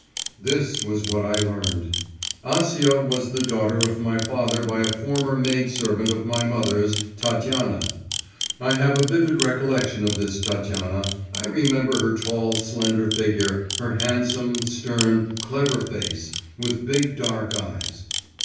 'This was what I learned. Acia was the daughter of my father by a former maidservant of my mother's, Tatiana. I have a vivid recollection of this Tatiana, I remember her tall, slender figure, her handsome, stern, clever face, with big dark eyes.